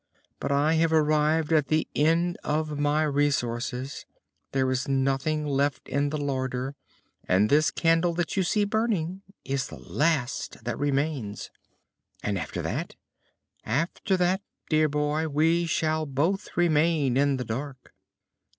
But I have arrived at the end of my resources; there is nothing left in the larder, and this candle that you see burning is the last that remains." "And after that?" "After that, dear boy, we shall both remain in the dark."